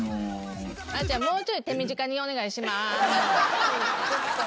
もうちょい手短にお願いします。